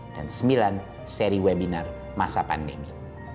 dan sembilan seri webinar masa pandemi